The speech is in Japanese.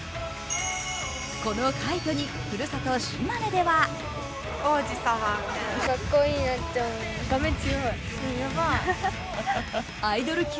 この快挙にふるさと・島根ではアイドル級？